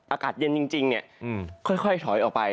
อากาศเย็นจริงค่อยถอยออกไป